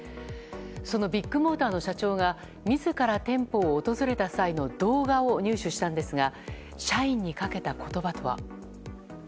そのビッグモーターの社長が自ら店舗を訪れた際の動画を入手したんですが社員にかけた言葉とは。